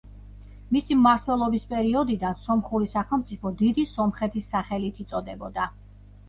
მისი მმართველობის პერიოდიდან სომხური სახელმწიფო დიდი სომხეთის სახელით იწოდებოდა.